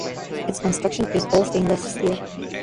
Its construction is all stainless steel.